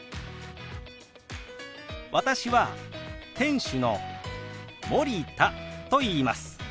私は店主の森田といいます。